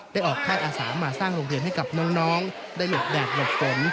ออกค่ายอาสามาสร้างโรงเรียนให้กับน้องได้หลบแดดหลบฝน